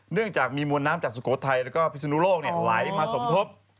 เนื่องจากมีมวลน้ำจากสุโขทัยแล้วก็พิศนุโลกไหลมาสมทบ